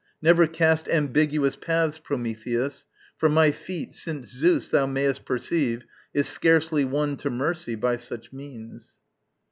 Never cast Ambiguous paths, Prometheus, for my feet, Since Zeus, thou mayst perceive, is scarcely won To mercy by such means.